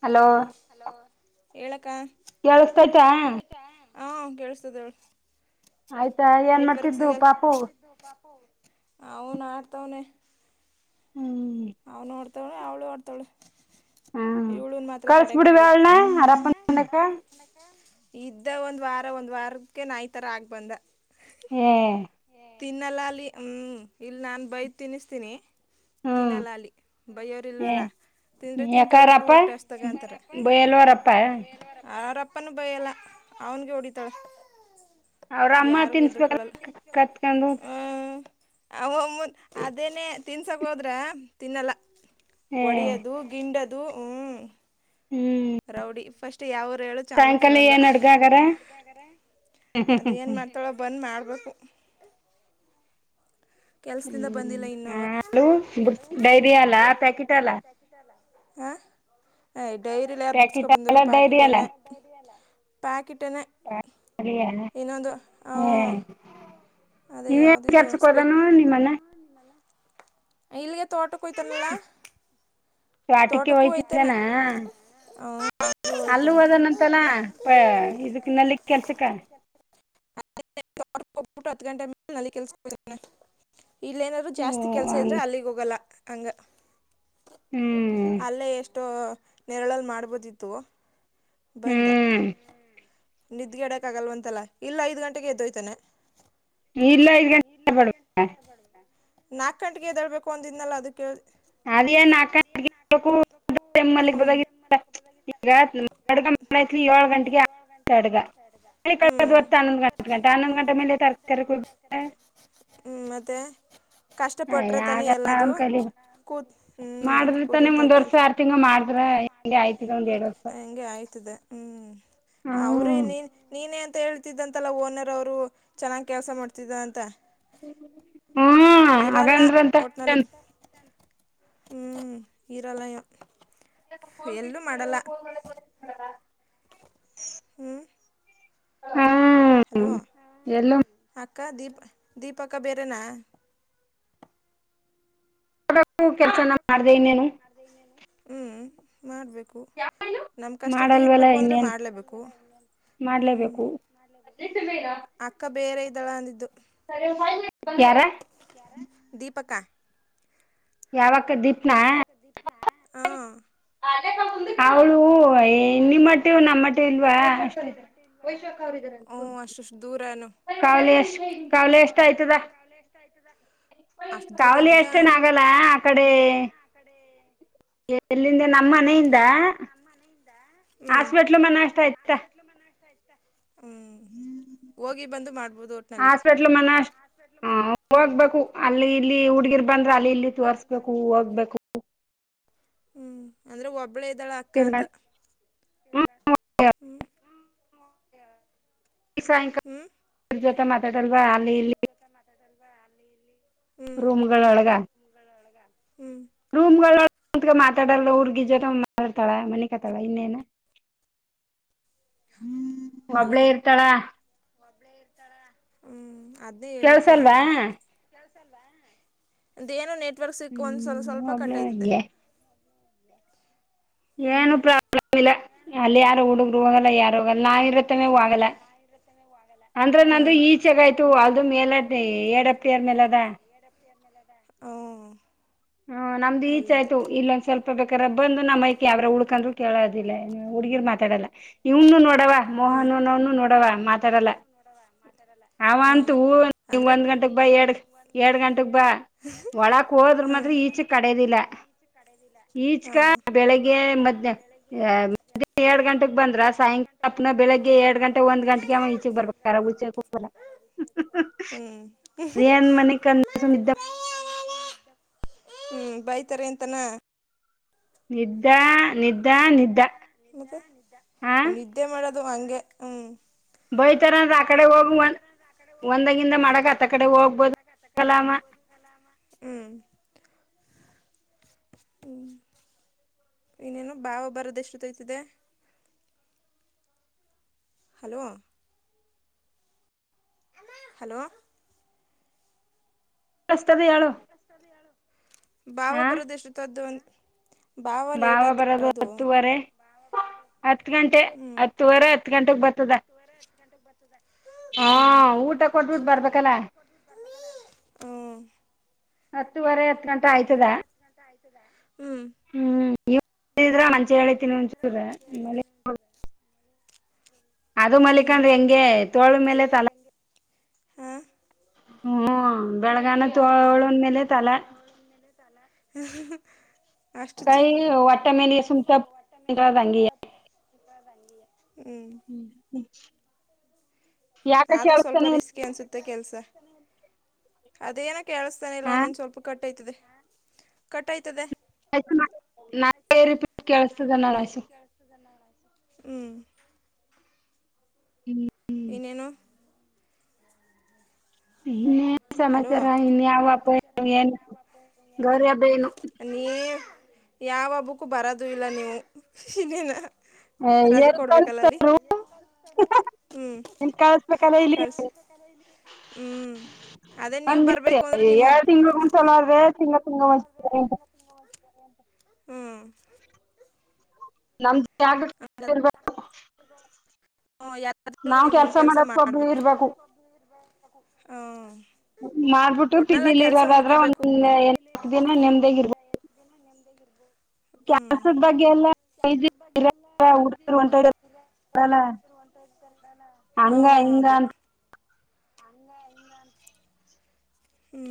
ಹ ಹಲೋ ಹೇಳಕ್ಕತ ಹಾ ಕೇಳಳ್ಿಸತದ ನೆಟ್ವರ್ಕ್ ಸಿಗಲ್ ಅವನ್ ಆಡ್ತವನ ಹ್ಮ್ ಅವನು ಹೊಡ್ತವಳಿ ಅವಳು ಆಡ್ತಾಳಿ ಇಳುನ್ ಮಾತ್ರ ತಡೆಕಾಗಲ್ಲ ಇದ್ದ ಒಂದ್ ವಾರ ಒಂದ್ ವಾರಕ್ಕೆ ನಾ ಈಿ ತರ ಆಗ್ಬಂದ ಹ್ಮ ತಿನ್ನಲ್ಲ ಅಲ್ಲಿ ಹ್ಮ್ ಇಲ್ ನಾನ್ ಬೈತ್ ತಿನ್ನಿಸ್ತೀನಿ ತಿನ್ನಲ್ಲ ಅಲ್ಲಿ ಬೈಯೋರಿಲ್ವಲ್ಲ ತಿಂದರೆ ತಿಂತಾಳೆ ಬಿಡು ಹೊಟ್ಟೆಷ್ಟ್ದಾಗಂತಾರೆ ಅಾರಪ್ಪನೂ ಭಯಲ್ಲ ಅವನ್ಗೆ ಹೊಡಿತಾಳೆ ಯಾರಗ ಎದರಾ ಕೊಳ್ಳ ಅದೇನೇ ತಿನ್ಸಕೋದ್ರ ತಿನ್ನಲ್ಲ ಹೊಡೋದು ಗಿಂಡದು ದ ರೌಡಿ ಫಸ್ಟ್ ಯಾವರು ಹೇಳು ಚಾಮರಪುರ ಅಲ್ವಾ ಹ್ಮ ಹಾ ಅದುೇಏನು ಮಾಡ್ತಾಳೋ ಬಂದು್ ಮಾಡಬೇಕು ಹ್ಮ ಡೈರಿ ಅಲ್ಲಾ ಪ್ಯಾಕೆಟ್ ಅಲ್ಲಾ ಹ ಹ ಈ ಡೈರಿಲ್ಲಿ ಯಾರು ಬಿಡ್ಸ್ಕೊ ಬಂದರು ಪಾಕೆಟ್ನೆೇ ಪ್ಯಾಕೆಟನ ಇನ್ನೊಂದು ಹಾ ಅದೇ ಯಾವ್ದಿದದು ಅಷ್ಟ ಇಲ್ಲಿಗೆ ತೋಟಕ್ಕಯ್ತಾನ ಹ ಪಾಟಕ್ಕೆ ಹೋಯ್ತಿದ್ದೇಾನ ಅಲ್ಲೂ ಹೋದನಂತಲ್ಲ ಪ್ಪ ಇದಕ್ಕ ನಲ್ಲಿಗ್ ಕೆಲ್ಸಕ್ಕ ಅವ ಹೋಗ್ಬಿಟ್ಟು ಹತ್ತು ಗಂಟೆ ಮೇಲೆ ನಲ್ಲಿ ಕೆಲ್ಸಕ್ಕೆ ಹೋಗಿದ್ದಾನೆ ಇಲ್ಲೇನಾದ್ರು ಜಾಸ್ತಿ ಕೆಲ್ಸ ಇದ್ರೆ ಅಲ್ಲಿಗೋಗಲ್ಲ ಹಂಗ ಹ್ಮ್ ಅಲ್ಲೇ ಎಷ್ಟೋ ನೆರಳಲ್ಲಿ ಮಾಡ್ಬೋದಿತ್ತು ಬಂದ ನಿದ್ದ್ಗೆ ಆಡಕ್ ಆಗಲ್ವಂತಲ್ಲಾ ಇಲ್ಲ ಐದ್ ಗಂಟೆಗೆ ಎದ್ದೋಯ್ತಾನೆ ಇಲ್ಲ ನಾಕ ಗಂಟೆಗೆ ಎದಳ್ಬೇಕು ಒಂದಿದ್ನಲ್ಲ ಅದೇಳ ಅಲ್ಲಿ ನಾಲ್ಕಟ ಇರ್ಬೇಕುಮ್ಮಲ್ಲಿದತ್ತ ಗ ಮಾಡೈ ಏಳ ಗಂಟೆಗೆ ಸೈಡ್ನ್ನೊ್ ಗಂಟೆನ್ನೊ್ ಗಂಟ ಹ್ಮ ಮತ್ತೆ ಕಷ್ಟಪಟ್ರೆ ತನಿ ಎಲ್ಲದು ಕೂತ್ ಹ್ಮ್ ಕೂತ್ತಕ್ಕೆಲ್ಲ ಹೆಗೆ ಆಯ್ತಿದೆ ಹ್ಮ್ ಅವ್ರೇನನು ನೀನೇ ಅಂತ ಹೇಳ್ತಿದ್ದಂತಲ್ಲ ಓನರ್ ಅವರು ಚೆನ್ನಾಗಿ ಕೆಲಸ ಮಾಡ್ತಿದ್ದ ಅಂತ ಹ್ ಹ ಇರಲ್ಲ ಒಟ್ನಲ್ಲಿ ಹ್ಮ್ ಇರಲ್ಲಯಾ ಯಾದಕೆ ಫೋನ್ ಪಿಕ್ ಮಾಡಿಲ್ಲ ಫೋನ್ ಮಾಡ್ಕೋ ಬರಲ್ಲ ಹಲೋ ಅಕ್ಕ ದೀಪ್ ದೀಪಕ್ಕ ಬೇರೆನಾ ಹಾಂ ಬೇಕು ಕೆಲಸ ಮಾಡೇ ಹ್ಮ್ ಮಾಡ್ಬೇಕು ನಮ್ ಕಷ್ಟ ತೀರ್ಬೇಕು ಅಂದ್ರೆ ಮಾಡ್ಲೇಬೇಕು ಮಾಡ್ಲೇಬೇಕು ಅಕ್ಕ ಬೇರೆ ಇದ್ದಳ ಅಂದಿದ್ದು ಸರಿ ಹ ಯಾರ ದೀಪಕ ಯಾವಾಗ ದೀಪ್ ಯಾವಕ ದೀಪ್ನಾ ಹ ಅದ ಹ ನಿಮ್ಮ್ ಮಟ್ಟೆ ನಮ್ಮ್ ಮಟ್ಟಿ ಇಲ್ವಾ ವೈಶಾಖ ಅಕ್ಕ ಅವರು ಇದರೆಲಾ ಕಾವಲೆ ಎಷ್ಟ್ ಕಾವಲೆ ಎಷ್ಟ ಆಯ್ತದಾ ಅಲ್ಲ ಎಷ್ಟ ಆಯ್ತದ ಕಾವಲಿ ಅಷ್ಟೇನ ಆಗಲ್ಲ ಆ ಕಡೆ. ಎಲ್ಲಿಂದ ನಮ್ ಮನೆಯಿಂದ. ದಾ ಹಾಸ್ಪೆಟ್ಲು ಮ ನಾಷ್ಟ ಇಯ್ತ ತಾಯ್ತ. ಹಾಸ್ಪೆಟ್ಲು ಮ ನ. ಹ ಹೋಗ್ಬೇಕು ಅಲ್ಲಿ ಇಲ್ಲಿ ಹುಡ್ಗಿರ್ ಬಂದ್ರ ಅಲ್ಲಿ ಇಲ್ಲಿ ತೋರ್ಸ್ಬೇಕು ಹೋಗ್ಬೇಕು. ಹ್ಮ್ ಅಂದ್ರೆ ಒಬ್ಳೇ ಇದಳ ಅಕ್ಕ ಅಂತ. ಹ್ಮ ಈ ಸಾಯಂಕಾಲ ಜೊತೆ ಮಾತಾಡಲ್ವ ಅಲ್ಲಿ ಇಲ್ಲಿ. ಲ್ವಾ ಅಲ್ಲಿ ಇಲ್ಲಿ. ರೂಮ್ಗಳು ಒಳಗ. ರೂಮ್ಗಳ ಮಾತಾಡಲ್ಲ ಊರ್ಗಿ ಜನ ಮಾಡ್ತಾಳ ಮಳಿಕತ್ತಾಳ ಇನ್ನೇನ. [unintelligible] ಹ್ಮ್ ಒಬ್ಳೆ ಇರ್ತಾಳ. ಒಬ್ಳೆ ಇರ್ತಾಳ ಹ್ಮ್ ಅದ್ನೆ ಹೇಳಿದ್ದು ನಾನು. ಕೆಲ್ಸ ಅಲ್ವಾ ಅಧ್ [inaudible] ಏನೊ ನೆಟ್ವರ್ಕ್ ಸಿಕ್ ಒಂದ ಸ್ವಲ್ಪ್ ಸ್ವಲ್ಪ ಕಟ್ ಆಯ್ತದೆ. ಏನು ಪ್ರಾಬ್ಲಮ್ ಇಲ್ಲ ಅಲ್ಲಿ ಯಾರು ಹುಡುಗರು ಹೋಗಲ್ಲ ಯಾರು ಹೊಗಲ್ಲ ನಾಯಿ ಇರುತ್ತೇ ಹೋಗಲ್ಲ. ನಾಯಿ ಇರುತ್ತನೆ ಒಗಲ್ಲ. [unintelligible] ಅಂದ್ರ ನಂದು ಈಚೆಗ ಆಯ್ತು ಅದು ಮೇಲದೇ ಎಡಪ್ತಿಯರ್ ಮೇಲ್ ಅದ. ಹ್ಮ ಹ್ಮ ನಮ್ದು ಈಚ ಆಯ್ತು ಇಲ್ಲೊಂದ ಸ್ವಲ್ಪ ಬೇಕಾರೆ ಬಂದು ನಮ್ಮ್ ಐಕೆ ಯಾವ್ರ ಉಳ್ಕದ್ರು ಕೇಳೋದಿಲ್ಲ ಹುಡ್ಗಿರ್ ಮಾತಾಡಲ ಇವ್ನು ನೋಡವ ಮೋಹನು ಆನ್ವನು ನೋಡವ ಮಾತಾಡಲ್ಲ ಅವಂತೂ ನಿಮ್ ಒಂದ್ ಗಂಟಕ್ ಬಾ [unintelligible] ಎರಡ್ ಎರಡ್ ಗಂಟಕ್ ಬಾ ಒಳಾಕ್ ಹೋದ್ರ ಮಾತ್ರ ಈಚೆ ಹೋದ್ರ ಮಾತ್ರ ಈಚೆ ಕಡದಿಲ್ಲ ಹ್ಮ್ ಈಚಕ ಬೆಳಿಗ್ಗೆ ಮ. [unintelligible] ಎರಡ್ ಗಂಟೆಗೆ ಬಂದ್ರ ಸಾಯಂಕಾಲ [unintelligible] ಪ್ನ ಬೆಳಿಗ್ಗೆ ಎರಡ್ ಗಂಟೆ ಒಂದ್ ಗಂಟೆಗೆ ಅವ ಈಚೆಗೆ ಬರ್ಬೇಕ ಈಚೆ ಹದ್ [unintelligible] ಏನ್ ಮನಿ ಕನ್ನಾ [unintelligible] ಸ್ದ. ಹ್ಮ್ ಬೈತರೆ ಅಂತಾನಾ ನಿಜಾ... ನಿ ಮತ್ತೆ ನಿದ್ದೆ ಮಾಡದು ಹಂಗೆ ಹ್ಮ್. ಬೈತಾರ ಅಂದ್ರೆ ಆ ಕಡೆ ಹೋಗ ಒಂದು ಒಂದಾಗಿಂದಾ ಮಾಡಕ್ಕೆ ಆತ್ತ ಕಡೆ ಹೋಗ್ಬೋದು. ಹ್ಮ್ ಹ್ಮ್ ಇನೇನು ಭಾವ ಬರೋದ್ ಎಷ್ಟು ಆಯ್ತತೆ. ಹಲೋ. ಹಲೋ. [unintelligible] ಸ್ತದ ಹೇಳು. ಭಾವ ಬರೋದ ಎಷ್ಟೋತ್ ಅದು ಭಾವ ಲೇಟ್ ಅದ್ದ ಬರದು ಹತ್ ಗಂಟೆ ಹತ್ತುವರೆ ಹತ್ ಗಂಟೆಗ್ ಬತ್ತದ. ಗಂಟೆಗೆ ಬರ್ತದೆ. [inaudible] ಹಾ ಊಟ ಕೊಟ್ಬಿಟ್ಟು ಬರ್ಬೇಕಲ್ಲಾ. ಹ್ಮ್.. ಹತ್ತುವರೆ ಹತ್ ಗಂಟಕ್ಕ [unintelligible] ಹ್ಮ್. ಹ್ಮ್ ಇ [unintelligible] ದ್ರ ಮಂಚೆ ಹೇಳತೀನಿ ಚೂರು. ಅದು ಮಲಿಕಂದ್ರೆ ಹೆಂಗೆ ತೋಳು ಮೇಲೆ ತಲ ಮೇಲೆ ಹ್ಮ್ ಬೆಳಗಾನ ತೋಳ [inaudible] ನ ತೋಳೆ ಮೇಲೆ ತಲ ಇಟ್ಟು. ಕೈ ವಟ್ಟೆ ಮೇಲೆ ಸುಮ [unintelligible] [unintelligible] ದಂಗಿ. ಹ್ಮ್ [inaudible] ಹ್ಮ್ [unintelligible] ಆದ್ರೂ ಸ್ವಲ್ಪ ರಿಸ್ಕಿ ಅನ್ಸುತ್ತೆ ಕೆಲ್ಸ ಅದೇನ ಕೇಳಿಸತಾನೆ ಇಲ್ಲ ಒನೊಂದ ಸ್ವಲ್ಪ ಕಟ್ ಐತದೆ ತದೆ ಕಟೈಟತೆ ನಾರಿಪ ಕೇಳಸ್ತದ ನಡಸು [unintelligible] ಹ್ಮ್ ಇನ್ ಏನು? ಇನ್ನೇನ್ ಸಮಾಚಾರ [unintelligible] ಇನ್ ಯಾವಪ್ಪ ಏನ್ ಗೌರಿಬೇನು ನೀ ಯಾವ ಹಬ್ಬಕ್ಕೂ ಬರೋದು ಇಲ್ಲ ನೀವು ಇನೆನ ಹ ಎಲ್ಲಿ ಕತರು ನಿನ್ ಕಳ್ಸ್ಬೇಕಲ್ಲ ಇಲ್ಲಿ [unintelligible] ಹ್ಮ್ ಅದೇ ನೀವು್ ಬರ್ಬೇಕು ಅಂದ್ರೆ ನಿಮ್ಮಬ್ ಹ್ಮ್ ನಮ್ದಬೇಕು ಹ ಯಾರಾದ್ರೂ ನಿಮ್ ಕೆಲ್ಸ ಮಾಡ್ಬೇಕು. ಹ್ಮ ಮಾಡ್ಬಿಟ್ಟು ಪಜಿಲಿ ಇರೋದಾದ್ರ ಒಂದ್ ಎ ಹ ದಿನ ನೆಮ್ದಗ್ ಇರ್ಬು ಇದಲ್ಲ ನೆಮ್ಮದಿ ಇರ್ಬೋದು ಕ್ಯಾಸದ ಬಗ್ಗೆ ಎಲ್ಲ ಹಂಗ ಹಂಗಂತ ಹಂಗ ಹಂದಾ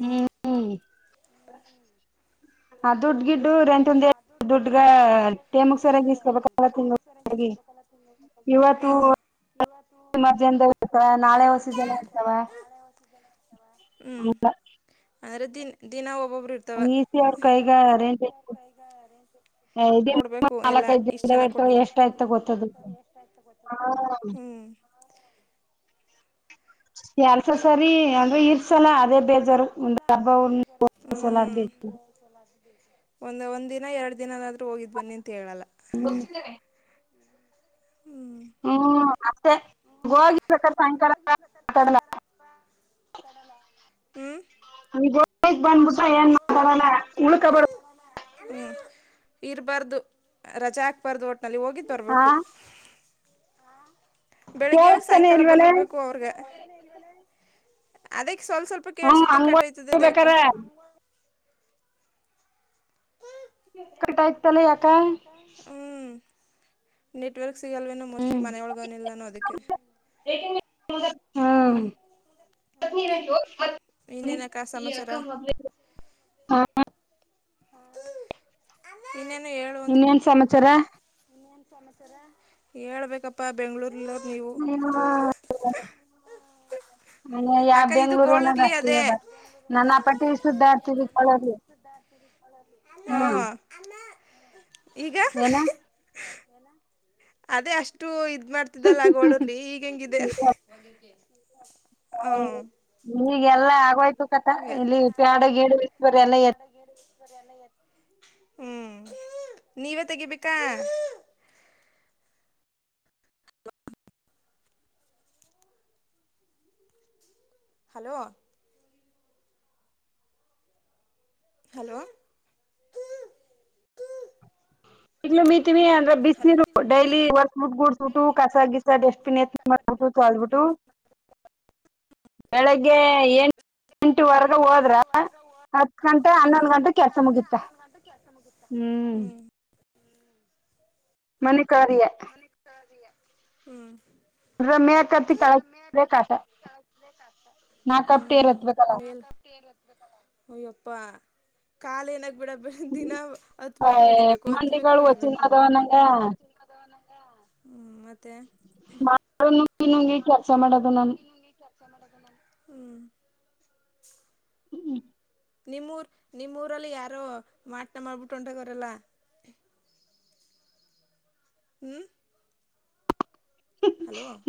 ಹ್ಮ್ ಹ್ಮ್ ಅ ದುಡ್ ಗಿಡ್ಡು ಹ ದುಡ್ ಗಿಡ್ಡು ರೆಂಟ್ ಒಂದೆ ದುಡ್ಡ ಕೇಮಕ್ ಸರ್ ಇಷ್ಟಬೇಕಲ್ಲ ತಿ ಇವತ್ತು ಇವತ್ತು ರ್ಜೆ ಇರ್ತವೆ ನಾಳೆ ಹೊಸಿ ಜನ ಇರ್ತವೆ ಅಂದ್ರೆ ದಿನ ದಿನ ಒಬ್ಬೊಬ್ರು ಹಂಗ ಈಸ ಅವ್ರ ಕೈಗ ಅರೇಂಜ ಇದ ನಾಲ್ಕ ಐದು್ ದಿನದತ ಎಷ್ಟ ಆಯ್ತ ಗೊತ್ತದ ಹ್ಮ್ ಎಲ್ಸ ಸರಿ ಅಂದ್ರೆ ಇರ್ಸಲ್ಲ ಅದೇ ಬೇಜಾರು ಒಂದುಬ್ಬ ಸಲಡ್ ಒಂದ್ ಒಂದ್ ದಿನ ಎರಡ್ ದಿನನಾದ್ೂ ಹೋಗಿದ್ ಬನ್ನಿ ಅಂತ ಹೇಳಲ್ಲ ಬಚ ಹ್ಮ್ ಹ್ಮ್ ಆತ್ತೆ ಗುಗ ಹೋಗತ ಸಾಯಂಕಾಲ ಅವಾ ಕಡಲ್ಲ ಹ ಬ ಬಬ ಇ ಹೋಗ ಬಂದ್ಬಿಟ್ರ ಏನ್ ಮಾಡಣ ಹ್ಮ್ ಇರ್ಬಾರ್ದು ರಜೆ ಹಾಕ್ಬಾರ್ದು ಒಟ್ನಲ್ಲಿ ಹೋಗಿದ್ದ್ ಬರ್ಬೇಕು ಬೆಳಿಗ್ಗೆವಾಗ ಸಾಯಂಕಾಲ ಬಂದಡ್ಬೇಕು ಅವ್ರಗ ಅದಕ್ ಸ್ವಲ್ ಸ್ವಲ್ಪ ಅಪ್ಪ ಕೇಳಳ್ ಸುತ್ತ ಕಟ್ಟಾಯ್ತದಾಕೋ ಕಟ ಆ್ತಲ್ಲ ಯಾಕ ಹ್ಞ ನೆಟ್ವರ್ಕ್ ಸಿಗಲ್ವೇನು ಮೋಸ್ಟ್ಲಿ ಮನೆೊಳಗನಿಲ್ಲಾನು ಅದಕ್ಕೆ ಲಕ ಹಾ ಪತ್ನಕ ಹಾ ಇನ್ನೇನು ಎ ಇನ್ನೇನ್ ಸಮಾಚಾರ ಮೂನ್ ಸಮಸಾರ ಹೇಳ್ಬೇಕಪ್ಪಾ ಬೆಂಗಗಳೂರಿಲ್ಲ ನೀವು ಹಾ ಯಾವ ಬೆಂಗ್ಳೂರುನಾಗ ಆತಯ ಬ ನನ್ ಆ ಪಟ್ಟಿ ಸುದ್ದ ಆಡ್ತವಿ ಕಳೋಲ್ಲಿ ಹಾ ಈಗ ಅದೇ ಅಷ್ಟು ಇದ್ ಮಾಡ್ತಿದ್ದಲ್ಲಗಳೂರ್ಲಿ ಈಗ ಹೆಂಗಿದೆ ಒದಕ್ಕೆ ಹ ಈಗೆಲ್ಲಾ ಆಗೋಯ್ತು ಕತಾ ಇಲ್ಲಿ ಪ್ಯಾಡ್ ಗೀಡು ವಿಸ್ಪೇರ್ ಎಲ್ಲ [unintelligible] ಹ್ಮ ನೀವೇ ತೆಗಿಬೇಕಾ? ಹಲೋ ಹಲೋ [unintelligible] ಅಂದ್ರೆ ಬಿಸ್ನೀರು ಡೈಲಿ [unintelligible] [unintelligible] ಗುಡಿಸ್ಬಿಟ್ಟು ಕಸ ಗೀಸ ಡಸ್ಟ್ಬಿನ್ ಎತ್ ಮಾಡ್ಬಿಟ್ಟು ತೋಳ್ಬಿಟ್ಟು ಬೆಳಗ್ಗೆ ಎಂಟ್ [inaudible] ಎಂಟವರ್ಗ ಹೋದ್ರಾ ಹತ್ ಗಂಟೆ ಹನ್ನೊಂದು ಗಂಟೆಗ್ ಕೆಲಸ ಮುಗಿಯುತ್ತೆ. ಹ್ಮ ಮನೆ ಕಾರ್ಯ ಹ್ಮ ರಮ್ಯಾ [unintelligible] ಹ್ಮ [unintelligible] ಹಯ್ಯಪ್ಪಾ ಕಾಲ ಏನಾಗ್ಬೇಡ [unintelligible] ದಿನ ಹತ್ಬೇಕು ಇಳಿಬೇಕು ಹತ್ಬೇಕು ಇಳಿಬೇಕು. ಹ್ಮ ಮತ್ತೆ? ಮಾತ್ರೆ ನುಂಗಿ ನುಂಗಿ ಕೆಲಸ ಮಾಡೋದು ನಾನು ಹ್ಮ ಹ್ಮ ನಿಮ್ಮೂರ್ ನಿಮ್ಮೂರಲ್ಲಿ ಯಾರೋ [unintelligible] ಮಾಡ್ಬಿಟ್ಟು ಹೊಂಟೊಗರಲ್ಲ. ಹ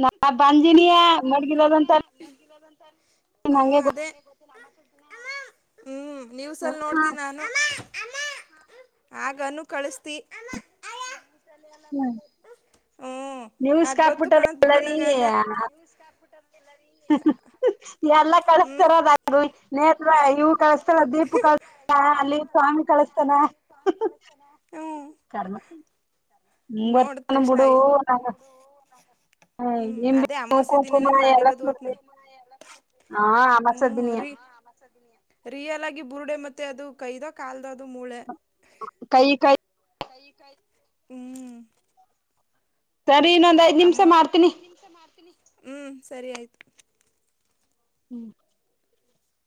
ನಾ [unintelligible] ಮಡಗಿದದಂತ ಹ್ಮ ಅದೇ ಹ್ಮ ನ್ಯೂಸಲ್ಲಿ ನೋಡಿದೆ ನಾನು. ಆಗನು ಕಳಸ್ತಿ. ಹ್ಮ ಆ ಗೊತ್ತು ಕಾಣತ್ ಬಿಡು ನಂಗ ಅಂದ. ಹ್ಮ [unintelligible] [unintelligible] ಹ ನೋಡ ತಕ್ಷಣ [unintelligible] ಹ್ಮ ಅದೇ ಅಮವಾಸ್ಯೆ ದಿನನೇ ಮಾಡಿರೋದು ಒಟ್ನ ಹ್ಮ ರಿ ರಿಯಲ್ ಆಗಿ ಬುರ್ಡೆ ಮತ್ತೆ ಅದು ಕೈದ ಕಾಲ್ದ ಅದು ಮೂಳೆ ಕೈ ಕೈ ಹ್ಮ [unintelligible] ಇನ್ನೊಂದ್ [unintelligible] ಹ್ಮ ಸರಿ ಆಯ್ತು. ಹ್ಮ